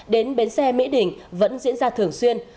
đến bến xe mỹ đình vẫn diễn ra thường xuyên